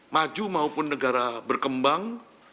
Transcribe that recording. maju maupun negara berkembang